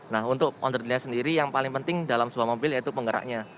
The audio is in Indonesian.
nah untuk underdilnya sendiri yang paling penting dalam sebuah mobil yaitu penggeraknya